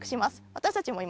私たちも今、